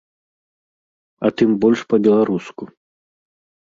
А тым больш па-беларуску.